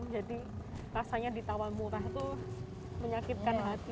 jadi rasanya ditawar murah tuh menyakitkan hati